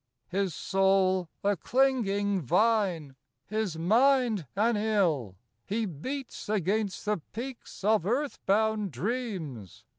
His soul, a clinging vine, his mind, an ill, He beats against the peaks of earth bound dreams.